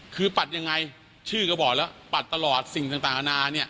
คือปัดยังไงชื่อก็บอกแล้วปัดตลอดสิ่งต่างอาณาเนี่ย